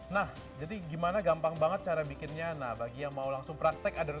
nah jadi gimana gampang banget cara bikinnya nah bagi yang mau langsung praktek adalah